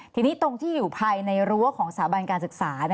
ทีนี้ตรงที่อยู่ภายในรั้วของสถาบันการศึกษา